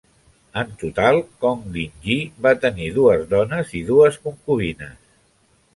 En total, Kong Lingyi va tenir dues dones i dues concubines.